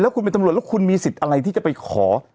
แล้วก็คุณมีสิทธิ์อะไรที่จะไปขอ